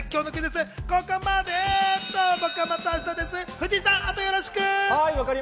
藤井さん、あとはよろしく！